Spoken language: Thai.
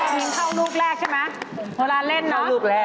ทีมเข้ารูปแรกใช่ไหมโทรลานเล่นน่ะ